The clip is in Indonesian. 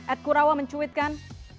ed kurawa mencuitkan